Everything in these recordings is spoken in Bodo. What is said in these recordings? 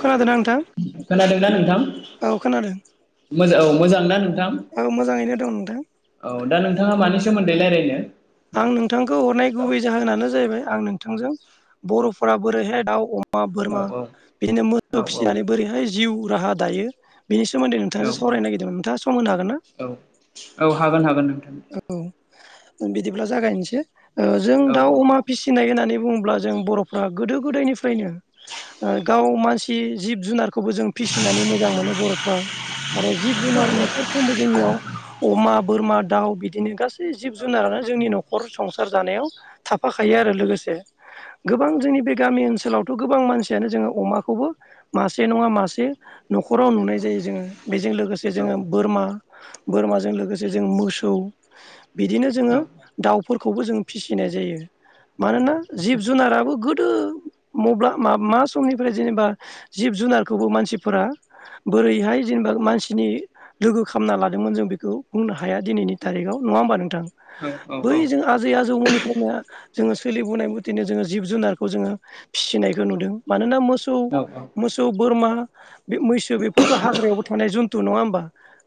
खोनादोंना नोंथां खोनादोंना नोंथां? औ खोनादों मोजां औ मोजां ना नोंथां? औ मोजाङैनो दं नोंथां औ दा नोंथाङा मानो? सोमोन्दै रायज्लायनो? आं नोंथांखौ हरनाय गुबै जाहोनानो जाहैबाय आं नोंथांजों बर'फोरा बोरैहाय दाउ अमा अमा औ बोरमा बिदिनो मोसौ औ औ फिसिनानै बोरैहाय जिउ राहा दायो? बेनि सोमोन्दै औ नोंथाङासो सावरायनो नागिरदोंमोन। नोंथाङा सम होनो हागोन ना? औ हागोन हागोन नोंथां औ ।बिदिब्ला जागायनोसै ।जों औ दाउ अमा फिसिनायगोन आरो होननानै बुङ्ला जों बर'फ्रा गोदो गोदायनिफ्रायनो गाव मानसि जिब जुनार बे खौबो जों फिसिनानै मोजां मोनो बर'फ्रा। आरो जिब औ जुनार औ न'खरफ्रोमबो जोंनियाव अमा बोरमा दाउ बिदिनो गासै जिब औ जुनारानो जोंनि न'खर न संसार जानायाव थाफाखायो। आरो लोगोसे गोबां जोंनि बे गामि ओनसोल ओनसोलावथ' गोबां मानसियानो जोङो अमाखौबो मासे नङा मासे न'खराव नुनाय जायो जोङो बेजों लोगोसे जोङो बोरमा बोरमाजों लोगोसे जों मोसौ बिदिनो जोङो दाउफोरखौबो जों फिसिनाय जायो मानोना जिब जुनाराबो गोदो मब्ला मा समनिफ्राय जेनेबा जिब जि जुनारखौबो मानसिफोरा बोरैहाय जेनेबा मानसिनि लोगो खालामना लादोंमोन जों बेखौ बुंनो हाया दिनैनि थारिखाव नङा हबा नोंथां? बै जों आजै आजौ आजौमोननिफ्रायनो जोङो सोलिबोनाय मथेनो जोङो जिब जुनारखौ जोङो फिसिनायखौ नुदों। मानोना मोसौ मोसौ, मोसौ, बोरमा बे मैसो बेफोरथ' हाग्रायावबो थानाय जन्थु नङा होमबा?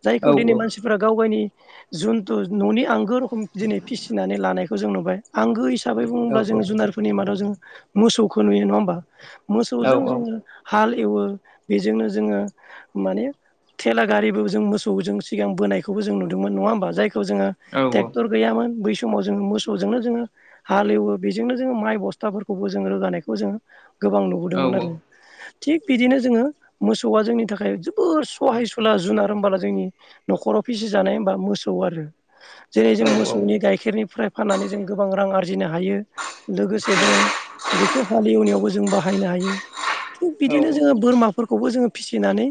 जायखौ औ दिनै मानसिफोरा गाव गावनि जुनथु न'नि आंगो रखम दिनै फिसिनानै लानायखौ जों नुबाय आंगो हिसाबै हिसाबै बुङोब्ला जो जुनारफोरनि मादाव जोङो मोसौखौ नुयो नङा होमबा? मोसौजों जोङो हाल एवो बेजोंनो जोङो माने थेला गारिबो जों मोसौ जों सिगांबोनायखौबो जों नुदोंमोन नङा होमबा जाय जोङो ट्रेक्टर गैयामोन ।बै समाव जोङो मोसौजोंनो जोङो हालेवो बेजोंनो जोङो माइ बस्थाफोरखौबो जो रोगानायखौ जोङो गोबां नुबोदोंमोन आरो। थिग बिदिनो जोङो मोसौआ जोंनि थाखाय जोबोर सहाय सुला जुनार होनोमबोला जोंनि न'खराव फिसि जानाय होनबा मोसौ आरो जेरै जों मोसौनि गाइखेरनिफ्राय फाननानै जों गोबां रां आरजिनो हायो। लोगोसे जोङो बेखौ हालेवनायावबो जों बाहायनो हायो थिग बिदिनो जोङो बोरमाफोरखौबो जोङो फिसिनानै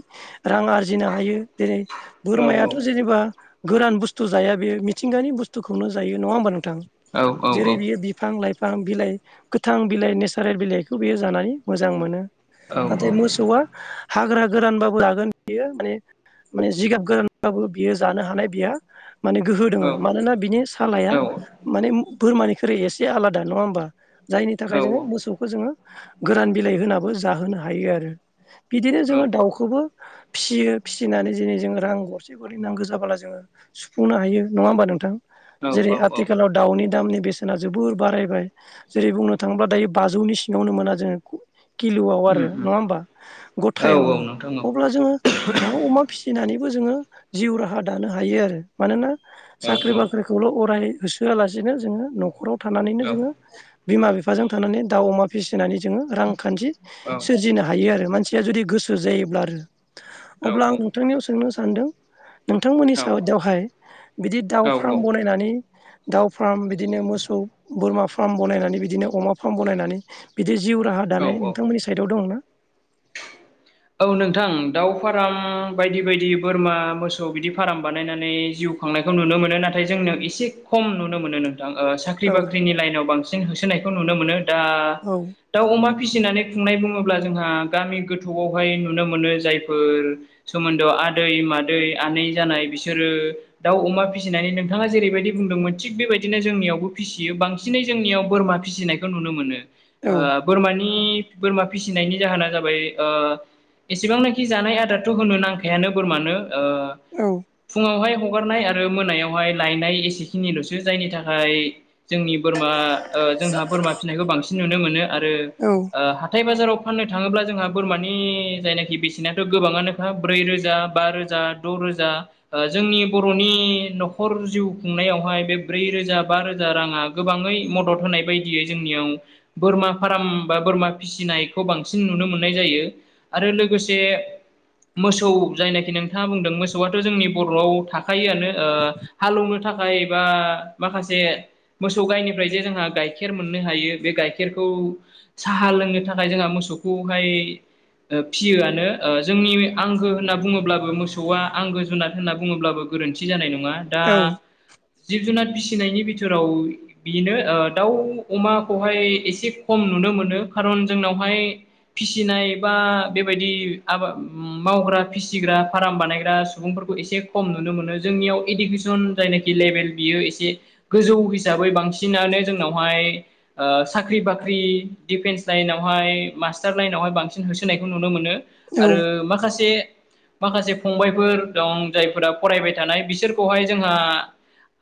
रां आरजिनो हायो जेरै बोरमायाथ' जेनेबा गोरान बुस्थु बुस्थु जाया बे मिथिंगानि बुस्थुखौनो जायो। नङा होमबा नोंथां? औ औ जेरै औ। बियो बिफां लाइफां बिलाइ गोथां बिलाइ नेचारेल बिलाइखौ बेयो जानानै मोजां मोनो। नाथाय मोसौआ हाग्रा गोरानबाबो जागोन बियो माने माने जिगाब गोरानबाबो बियो जानो हानाय बिहा माने गोहो दोङो। मानोना बिनि सालाया माने बोरमानिख्रुइ एसे आलादा नङा होमबा। जायनि थाखाय जोङो मोसौखो जोङो गोरान बिलाइ होनाबो जाहोनो हायो आरो बिदिनो जोङो दाउखोबो फिसियो। फिसिनानै दिनै जों रां गरसे गरनै नांगो जाबाला जोङो सुफुंनो हायो नङा होमबा नोंथां। जेरै आथिखालाव दाउनि दामनि बेसेना जोबोर बारायबाय। जेरै बुंनो थाङोबा दायो बाजौनि सिङावनो मोना जोङो किल'आव आरो नङा होमबा गथायावनो औ नोंथां औ अब्ला जोङो दाउ अमा फिसिनानैबो जोङो जिउ राहा दानो हायो आरो मानोना औ साख्रि बाख्रिखौल' अराय होसोआलासिनो जोङो न'खराव थानानैनो औ जों ङो बिमा बिफाजों थानानै दाउ अमा फिसिनानै जोङो रांखान्थि सोरजिनो हायो आरो मानसिया जुदि गोसो जायोब्ला आरो औ अब्ला आं नोंथांनियाव सोंनो सानदों नोंथांमोननि औ साइदावहाय बिदि दाउ फ्राम औ बनायनानै दाउ फ्राम बिदिनो मोसौ बोरमा फ्राम बनायनानै बिदिनो अमा फ्राम बनायनानै बिदि जि जिउ राहा औ दानाय नोंथांमोननि साइदाव दं ना? औ नोंथां दाउ फाराम बायदि बायदि बोरमा मोसौ बिदि फाराम बानायनानै जिउ खांनायखौ नुनो मोनो। नाथाय जोंनाव एसे खम नुनो मोनो नों थां ओ साख्रि औ बाख्रिनि लाइनाव बांसिन होसोनायखौ नुनो मोनो। दा औ दाउ अमा फिसिनानै खुंनाय बुङोब्ला जोंहा गामि गोथौआव बहाय नुनो मोनो जायफोर सोमोन्दोआव आदै मादै आनै जानाय बिसोरो दाउ अमा फिसिनानै नोंथाङा जेरैबायदि बुंदोंमोन थिग बेबायदिनो जोंनियावबो फिसियो बांसिनै जोंनियाव बोरमा फिसिनायखौ नुनो मोनो। औ ओ बोरमानि बोरमा फिसिनायनि जाहोना जाबाय ओ एसेबांनाखि जानाय आदारथ' होनो नांखायानो बोरमानो ओ औ फुङावहाय हगारनाय आरो मोनायावहाय लायनाय एसेखिनिल'सो जायनि थाखाय जोंनि बोरमा ओ जोंहा बोरमा फिसिनायखौ बांसिन नुनो मोनो आरो औ ओ हाथाय बाजाराव फाननो थाङोब्ला जोंहा बोरमानि जायनाखि बेसेनाथ' गोबाङानो खा ब्रै रोजा बा रोजा द' रोजा ओ जोंनि बर'नि न'खर जिउ खुंनायावहाय बे ब्रै रोजा बा रोजा राङा गोबाङै मदद होनाय बायदियै जोंनियाव बोरमा फाराम बा बोरमा फिसिनायखौ बांसिन नुनो मोननाय जायो। आरो लोगोसे मोसौ जायनाखि नोंथाङा बुंदों मोसौआथ' जोंनि बर'आव थाखायोआनो ओ हालवनो थाखाय बा माखासे मोसौ गायनिफ्राय जे जोंहा गाइखेर मोननो हायो। बे गाइखेरखौ साहा लोंनो थाखाय जोंहा मोसौखौहाय फिसियोआनो। जोंनि आंगो होनना बुङोब्लाबो मोसौआ आंगो जुनार होनना बुङोब्लाबो गो रोन्थि जानाय नङा। दा औ जिब जुनार फिसिनायनि बिथोराव बेनो ओ दाउ अमाखौहाय एसे खम नुनो मोनो। खारन जोंनावहाय फिसिनाय बा बेबायदि आबाद मावग्रा फिसिग्रा फाराम बानायग्रा सुबुंफोरखौ एसे खम नुनो मोनो जोंनियाव। इडुकेसन जायनाखि लेभेल बियो एसे गोजौ हिसाबै बांसिनानो जों नावहाय ओ साख्रि बाख्रि दिफेन्स लाइनावहाय मास्थार लाइनावहाय बां सिन होसोनायखौ नुनो मोनो आरो माखासे माखासे फंबायफोर दं जायफोरा फरायबाय थानाय बिसोरखौहाय जोंहा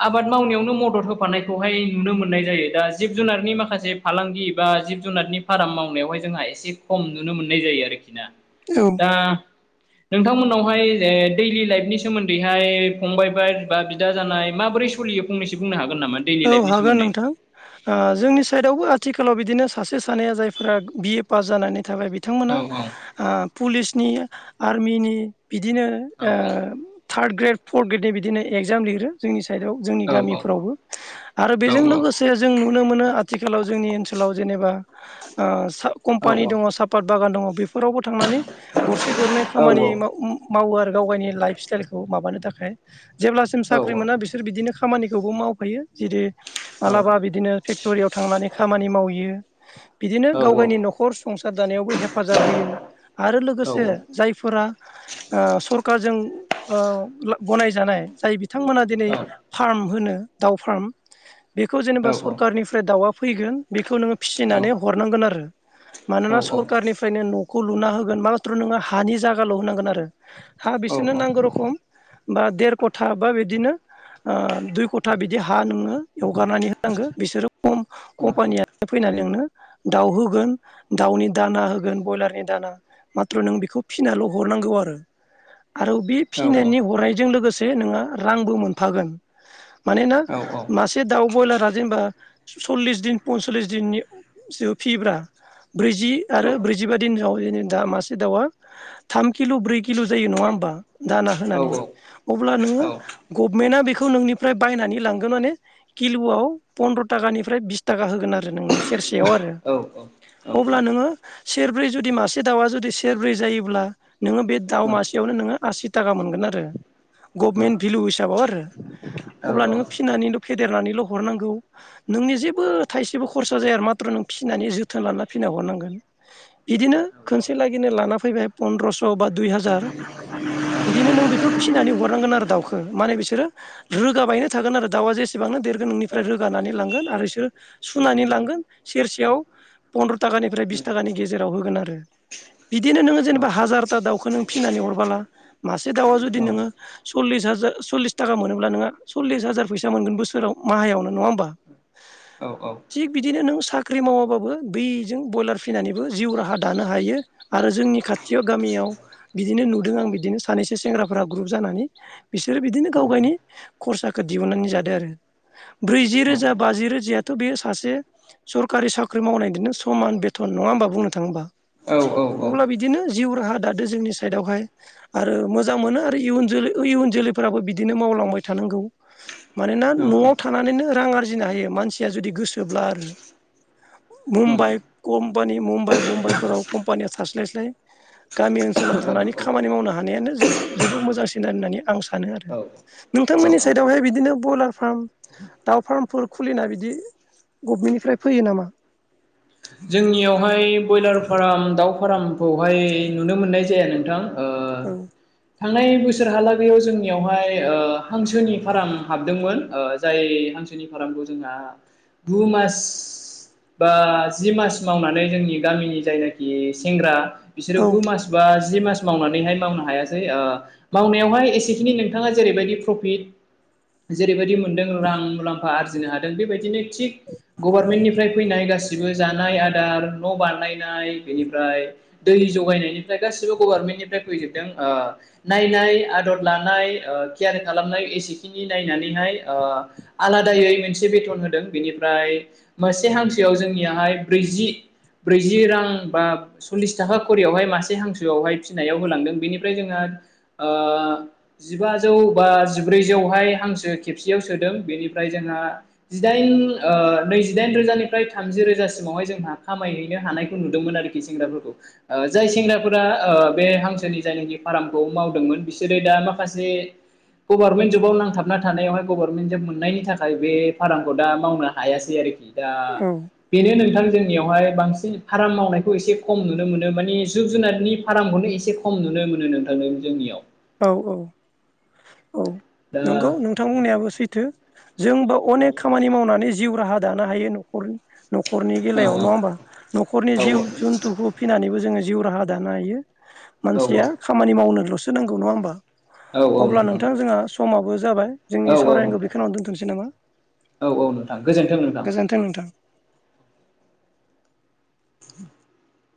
आबाद मावनायावनो मदद होफानायखौहाय नुनो मोननाय जायो। दा जिब जुनारनि माखासे फालांगि बा जिब जुनारनि फाराम मावनायावहाय जोंहा एसे खम नुनो मोननाय जायो आरोखि ना। औ दा नोंथांमोनावहाय ओ दैलि लाइफनि सोमोन्दैहाय फंबाय बा बा बिदा जानाय माबो रै सलियो फंनैसो बुंनो हाग औ हागोन नोंथां ओ जोंनि साइदआवबो आथि खालाव बिदिनो सासे सानै जायफोरा बि ए पास जानानै थाबाय औ बिथांमोना औ ओ पुलिसनि आरमिनि बिदिनो औ ओ थार्द ग्रेड फर्थ ग्रेडनि बिदिनो एगजाम लिरो जोंनि साइदआव जोंनि औ गामिफोरावबो आरो औ बेजों लोगोसे जों नुनो मोनो आथिखालाव जोंनि ओनसोलाव जेनेबा ओ सा औ कम्पानि दङ सापात बागान दङ बे फोरावबो थांनानै गरसे गरनै औ खामानि माव उम मावो आरो गाव गायनि लाइफ स्टाइलखौ माबानो थाखाय जेब्लासिम साख्रि मोना बिसोर बिदिनो खामानिखौबो मावफैयो जेरै मालाबा बिदिनो फेक्टरियाव थांनानै खामानि मावहैयो। बिदिनो गाव गायनि न'खर संसार दानायावबो हेफाजाब होयो। आरो लोगोसे जायफोरा ओ सरखारजों ओ ला गनायजानाय जाय बिथांमोना दिनै फार्म होनो दाउ फार्म बेखौ जेनेबा औ सरकारनिफ्राय दाउआ फैगोन बे खौ नोङो फिसिनानै हरनांगोन आरो मानोना सरखारनिफ्रायनो न'खौ लुना होगोन माथ्र' नोङो हानि जागाल' होनांगोन आरो हा बिसोरनो नांगौ रखम बा देर खथा बा बिदिनो ओ दुइ क था बिदि हा नोङो एवगारनानै होनांगो बिसोरोम कम कम्पानिया फैनानै नोंनो दाउ होगोन दाउनि दाना होगोन ब्रयलारनि दाना माथ्र' नों बेखौ फिसिनानैल' हरनां नांगौ आरो। आरो बे औ औ औ फिनायनि हरनायजों लोगोसे नोङो रांबो मोनफागोन मानोना औ मासे दाउ ब्रयलारा जेनेबा सल्लिस दिन पनचल्लिस दिननि सो फियोबा ब्रैजि आरो ब्रैजिबा दिनआव बिनो दा मासे दाउआ थाम किल' ब्रै किल' जायो नंङा होमबा? दाना होनानै अब्ला नोङो गभमेन्टआ बेखौ नोंनि फ्राय बायनानै लांगोन माने किल'आव पन्द्र' तागानिफ्राय बिस तागा होगोन आरो नोंनो ए सेरसेयाव आरो अब्ला नोङो सेरब्रै जुदि मासे दाउआ जुदि सेरब्रै जायोब्ला नोङो बे दाउ मासेयावनो नोङो आसि तागा मोनगोन आरो गबमेन भेलु हिसाबाव आरो‌ अब्ला नोङो फिनानैल' फेदे रनानैल' हनांगौ नोंनि जेबो थाइसेबो खरसा जाया आरो माथ्र नों फिसिनानै जोथोन लानानानै फिना हर नांगोन बिदिनो खोनसे लागैनो लानाफैबाय पन्द्र स' बा दुइ हाजार बिदिनो नों बेखौ फिनानै हरनांगोन आरो दाउ खो माने बिसोरो रोगाबायनो थागोन आरो दाउआ जेसेबांनो देरगोन नोंनिफ्राय रोगानानै लांगोन आरो सोर सुनानै लांगोन सेरसेयाव पन्द्र' तागानिफ्राय बिस तागानि गेजेराव होगोन आरो। बिदिनो नोङो जेनेबा हाजारथा दाउखौ नों फिनानै हरबोला मासे दाउआ जुदि नोङो सललिस जा जा सल्लिस तागा मोनोब्ला नोंङो सल्लिस हाजार फैसा मोनगोन बोसोराव माहायाव नंङा होमबा? औ औ। थिग बिदिनो नों साख्रि मावाबाबो बेजों बयलार फिनानैबो जिउ राहा दानो हायो आरो जोंनि खा खाथियाव गामियाव बिदिनो नुदों आं बिदिनो सानैसो सेंग्राफोरा ग्रुप जानानै बिसोरो बिदिनो गाव गावनि खरसाखौ दिहुननानै जादो आरो। ब्रैजि रोजा बाजि रोजायथ' बे सासे सरकारि साख्रि मावनायदोनो समान बेथन नंङा होमबा बुंनो थाङोबा? औ औ औ। अब्ला बिदिनो जिउ राहा दादो जोंनि साइदआवहाय आरो मोजां मोनो आरो इयुन जोलै ओ इयुन जोलैफोराबो बिदिनो मावलांबाय थानांगौ मानोना न'आव थानानैनो रां आरजिनो हायो मानसिया जुदि गोसोब्ला आरो मुम्बाइ कम्पानि मुम्बाइ बम्बाइफोराव कम्पानिया थास्लायस्लाय गामि ओनसोलाव थानानै खामानि मावनो हानायानो जो-जोबोद मोजांसिन होननानै आं सानो आरो। औ नोंथांमोननि औ साइडआवहाय बिदिनो बयलार फार्म दाउ फार्मफोर खुलिना बिदि गभमेन्टनिफ्राय फैयो नामा? जोंनियावहाय बयलार फार्म दाउ फारामखौहाय नुनो मोननाय जाया नोंथां ओ औ थांनाय बोसोरहालागैआव जोंनियावहाय ओ हांसोनि फार्म हाबदोंमोन ओ जाय हांसोनि फारामखौ जोंहा गु मास बास जि मास मावनानै जोंनि गामिनि जायनाखि सेंग्रा बिसोरो औ गु मास बा जि मास मावनानैहाय मावनो हायासै ओ मावनायावहाय एसेखिनि नोंथांआ जेरैबायदि प्रफिट जेरैबायदि मो मोनदों रां मुलाम्फा आरजिनो हादों बेबायदिनो थिख गभारमेन्टनिफ्राय फैनाय गासिबो जानाय आदार न' बानायनाय बेनिफ्राय दै जगायनायनिफ्राय गासिबो गभारमेन्टनिफ्राय फ्राय फैजोबदों ओ नायनाय आदद लानाय ओ केयार खालामनाय एसेखिनि नायनानै नाय ओ आलादायै मोनसे बेथन होदों बेनिफ्राय मोसे हामसोआव जोंनि हाय ब्रैजि ब्रैजि रां बा सलिस थाखा खरियावहाय मासे हांसोआवहाय फिसिनायाव होलांदों बेनिफ्राय जोंहा ओ जिबाजौ बा जिब्रैजौहाय हांसो खेबसेयाव सोदों बेनि निफ्राय जोंहा जिदाइन ओ नैजिदाइन रोजानिफ्राय थामजि रोजासिमावहाय जोंहा खामायहैनो हानायखौ नुदोंमोन आरोखि सेंग्राफोरखौ ओ जाय सेंग्राफोरा ओ ओ बे हांसोनि जायनाखि फारामखौ मावदोंमोन बिसोरो दा माखासे गभारनमेन्ट जबाव नांथाबना थानायावहाय गभारनमेन्ट जब मोननायनि थाखाय बे फारामखौ दा मावनो हायासै आरोखि दा बेनो नोंथां जोंनियावहाय बांसिन फाराम मावनायखौ एसे खम नुनो मोनो माने जिब जुनारनि फारामखौ माने एसे खम नुनो मोनो नोंथांनो जोंनियाव औ औ औ दा नोंगौ नोंथां बुंनायाबो सैथो जोंबो औ अनेक खामानि मावनानै जिउ राहा दानो हायो न'खरनि न'खरनि औ बेलायाव नङा होमबा न'खरनि औ जिउ जुन्थुखौ फिनानैबो जोङो जिउ राहा दानो हायो औ मानसिया खामानि मावनोल'सो नांगौ नङा होमबा औ औ अब्ला नोंथां जोंहा समाबो जाबाय जोंनि औ औ सावरायनांगौ नोंथां बेखिनियावनो दोनथ'नोसै नामा? औ औ नोंथां गोजोनथों नोंथां गोजोन्थों नोंथां। [unintelligible]